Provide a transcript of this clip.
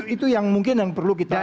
itu yang mungkin yang perlu kita